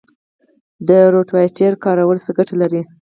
د روټاویټر کارول څه ګټه لري؟